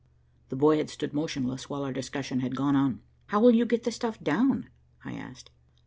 The boy had stood motionless while our discussion had gone on. "How'll you get the stuff down?" I asked.